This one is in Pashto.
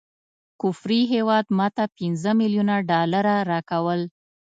کفري هیواد ماته پنځه ملیونه ډالره راکول.